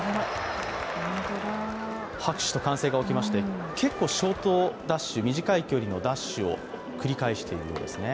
拍手と歓声が起きまして結構ショートダッシュ、短い距離のダッシュを繰り返しているようですね。